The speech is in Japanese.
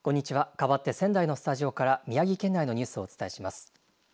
かわって仙台のスタジオから宮城県内のニュースをお伝えします。